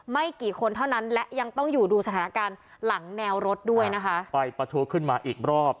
ไม่กี่คนเท่านั้นและยังต้องอยู่ดูสถานการณ์หลังแนวรถด้วยนะคะไฟประทุขึ้นมาอีกรอบ